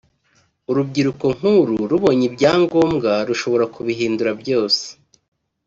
urubyiruko nk’uru rubonye ibyangombwa rushobora kubihindura byose